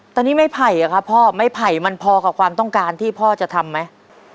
ตอนนี้ไม่ไผ่อะครับพ่อไม่ไผ่มันพอกับความต้องการที่พ่อจะทำไหม